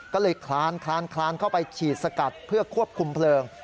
ก็เลยคลานเข้าไปฉีดสกัดเพื่อควบคุมเพลิง